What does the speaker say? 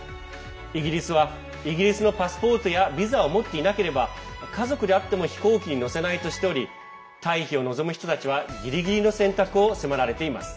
イギリスはイギリスのパスポートやビザを持っていなければ家族であっても飛行機に乗せないとしており退避を望む人たちはギリギリの選択を迫られています。